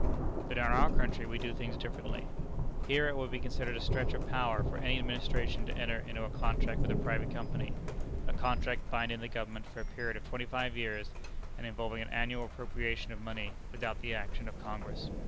But in our country we do things differently. Here it would be considered a stretch of power for any administration to enter into a contract with a private company a contract binding the Government for a period of twenty five years, and involving an annual appropriation of money without the action of Congress.